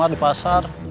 yang di pasar